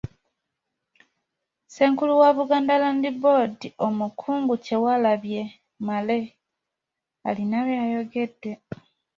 Ssenkulu wa Buganda Land Board, Omukungu Kyewalabye Male alina by'ayogedde.